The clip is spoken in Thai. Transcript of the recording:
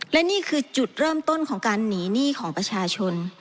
และนี่คือจุดเริ่มต้นของการหนีหนี้ของประชาชน